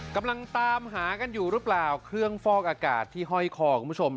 กำลังตามหากันอยู่หรือเปล่าเครื่องฟอกอากาศที่ห้อยคอคุณผู้ชม